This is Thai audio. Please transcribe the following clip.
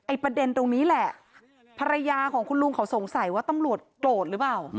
ประเด็นตรงนี้แหละภรรยาของคุณลุงเขาสงสัยว่าตำรวจโกรธหรือเปล่า